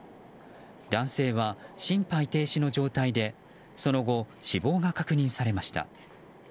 男性は心肺停止の状態でその後、死亡が確認されました。